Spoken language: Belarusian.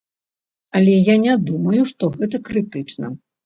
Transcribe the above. Але я не думаю, што гэта крытычна.